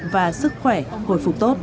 và sức khỏe hồi phục tốt